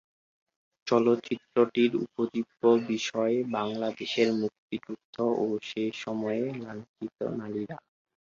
চলচ্চিত্রটির উপজীব্য বিষয় বাংলাদেশের মুক্তিযুদ্ধ ও সে সময়ে লাঞ্ছিত নারীরা।